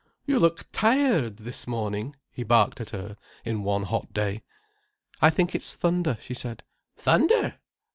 "You look tired this morning," he barked at her one hot day. "I think it's thunder," she said. "Thunder!